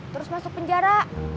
terus masuk penjara